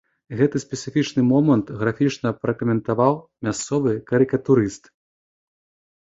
Гэты спецыфічны момант графічна пракаментаваў мясцовы карыкатурыст.